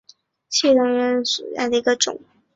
细圆藤为防己科细圆藤属下的一个种。